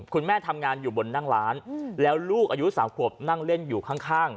คุณแม่ทำงานอยู่บนนั่งร้านแล้วลูกอายุ๓ขวบนั่งเล่นอยู่ข้าง